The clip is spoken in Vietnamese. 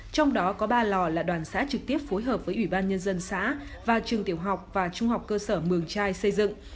trong đó có ba lò là đoàn xã trực tiếp phối hợp với ủy ban nhân dân xã và trường tiểu học và trung học cơ sở mường trai xây dựng